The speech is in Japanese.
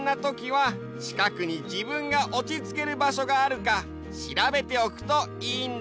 はちかくに自分がおちつける場所があるかしらべておくといいんだよ。